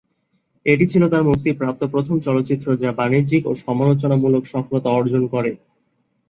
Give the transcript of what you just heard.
এটি ছিল তার মুক্তিপ্রাপ্ত প্রথম চলচ্চিত্র, যা বাণিজ্যিক ও সমালোচনামূলক সফলতা অর্জন করে।